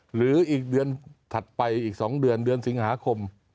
หรืออีกเดือนถัดไปอีก๒เดือนเดือนสิงหาคม